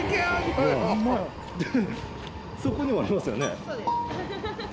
でそこにもありますよね。